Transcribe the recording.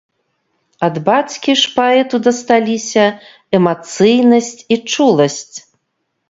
Ад бацькі ж паэту дасталіся эмацыйнасць і чуласць.